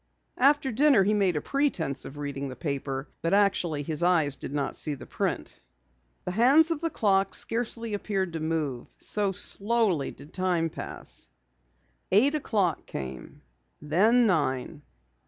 After dinner he made a pretense of reading the paper, but actually his eyes did not see the print. The hands of the clock scarcely appeared to move, so slowly did time pass. Eight o'clock came, then nine.